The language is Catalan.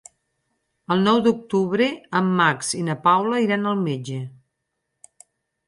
El nou d'octubre en Max i na Paula iran al metge.